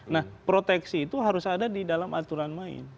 nah proteksi itu harus ada di dalam aturan main